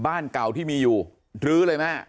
บ้านเก่าที่มีอยู่รื้อเลยแม่